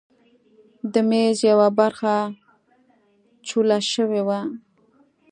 د میز یوه برخه چوله شوې وه.